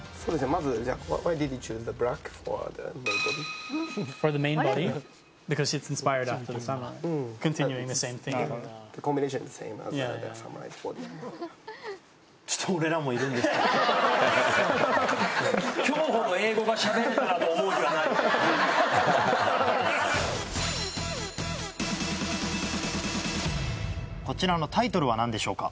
まずじゃちょっとこちらのタイトルは何でしょうか？